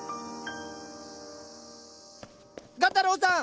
画太郎さん！